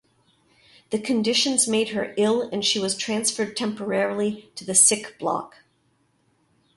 The conditions made her ill and she was transferred temporarily to the "sick block".